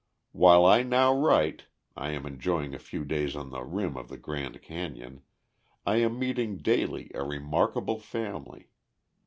While I now write (I am enjoying a few days on the "rim" of the Grand Canyon) I am meeting daily a remarkable family.